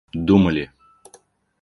думали